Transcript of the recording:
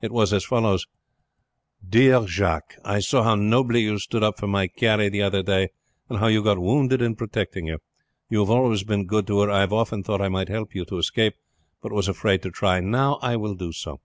It was as follows: 'Dear Jacques I saw how nobly you stood up for my Carrie the other day, and how you got wounded in protecting her. You have always been good to her. I have often thought I might help you to escape, but was afraid to try. Now I will do so.